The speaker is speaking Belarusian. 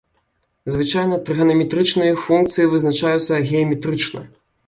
Звычайна трыганаметрычныя функцыі вызначаюцца геаметрычна.